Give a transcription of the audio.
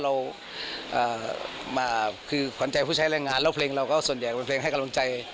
เราคือขวัญใจผู้ใช้แรงงานแล้วเพลงเราก็ส่วนใหญ่เป็นเพลงให้กำลังใจ